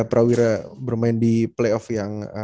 prawira bermain di playoff yang